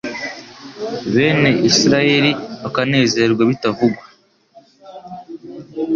bene Israheli bakanezerwa bitavugwa